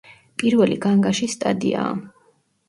პირველი განგაშის სტადიაა.